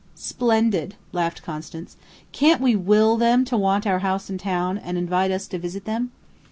"Splendid!" laughed Constance. "Can't we will them to want our house in town, and invite us to visit them?"